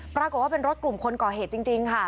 ปรากฏว่าเป็นรถกลุ่มคนก่อเหตุจริงค่ะ